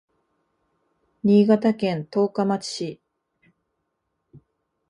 新潟県十日町市